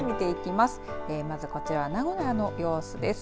まずこちらは名古屋の様子です。